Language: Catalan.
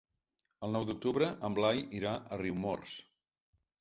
El nou d'octubre en Blai irà a Riumors.